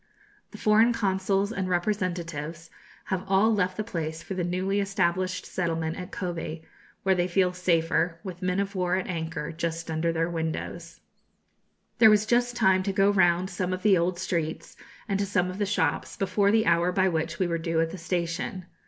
The foreign consuls and representatives have all left the place for the newly established settlement at Kobe, where they feel safer, with men of war at anchor just under their windows. [Illustration: Wayside Travellers.] There was just time to go round some of the old streets, and to some of the shops, before the hour by which we were due at the station.